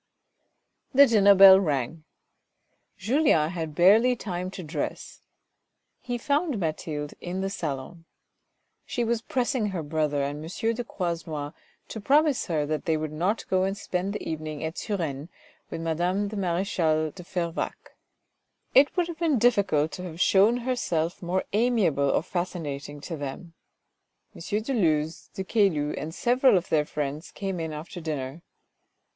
The dinner bell rang, Julien had barely time to dress : he found Mathilde in the salon. She was pressing her brother and M. de Croisenois to promise her that they would not go and spend the evening at Suresnes with madame the marechale de Fervaques. It would have been difficult to have shown herself more amiable or fascinating to them. M. de Luz, de Caylus and several of their friends came in after dinner.